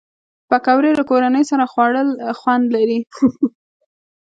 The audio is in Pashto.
پکورې له کورنۍ سره خوړل خوند لري